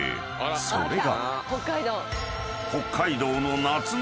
［それが］